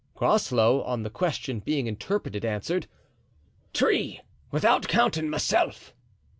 Groslow, on the question being interpreted, answered, "Three, without counting myself."